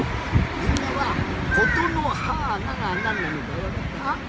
みんなは「ことのはーな」がなんなのかわかった？